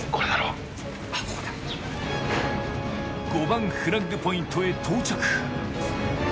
５番フラッグポイントへ到着